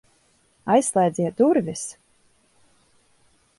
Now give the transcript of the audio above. Aizslēdziet durvis!